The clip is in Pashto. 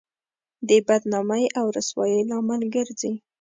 د بدنامۍ او رسوایۍ لامل ګرځي.